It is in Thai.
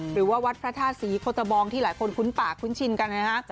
หรือว่าวัดพระธาตุศรีโคตะบองที่หลายคนคุ้นปากคุ้นชินกันนะฮะ